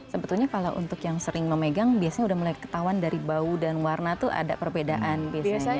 sebetulnya kalau untuk yang sering memegang biasanya udah mulai ketahuan dari bau dan warna tuh ada perbedaan biasanya